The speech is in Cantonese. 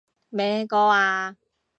咩歌啊？